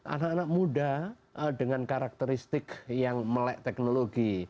anak anak muda dengan karakteristik yang melek teknologi